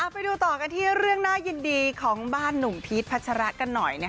ไปดูต่อกันที่เรื่องน่ายินดีของบ้านหนุ่มพีชพัชระกันหน่อย